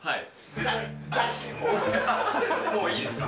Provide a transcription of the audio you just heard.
もういいですか？